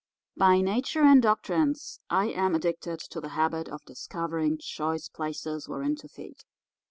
"By nature and doctrines I am addicted to the habit of discovering choice places wherein to feed.